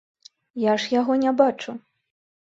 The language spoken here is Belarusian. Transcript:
Я ж яго не бачу.